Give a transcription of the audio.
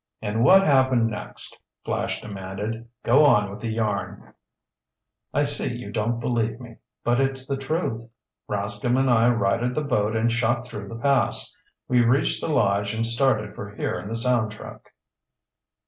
"And what happened next?" Flash demanded. "Go on with the yarn." "I see you don't believe me, but it's the truth. Rascomb and I righted the boat and shot through the pass. We reached the lodge and started for here in the sound truck."